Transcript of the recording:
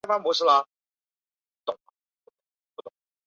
在东正教和新教之间也存在不同程度的合一与分裂。